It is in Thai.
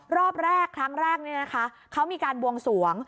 รอบแรกครั้งแรกเขามีการบวงสวง